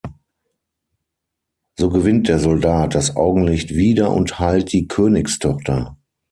So gewinnt der Soldat das Augenlicht wieder und heilt die Königstochter.